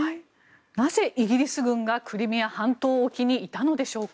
なぜイギリス軍がクリミア半島沖にいたのでしょうか。